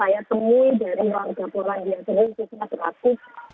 jadi ada banyak ketakutan yang saya temui